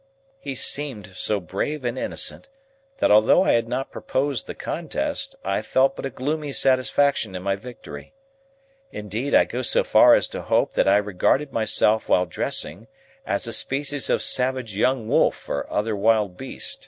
He seemed so brave and innocent, that although I had not proposed the contest, I felt but a gloomy satisfaction in my victory. Indeed, I go so far as to hope that I regarded myself while dressing as a species of savage young wolf or other wild beast.